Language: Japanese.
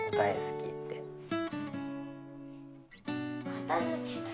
片づけたい。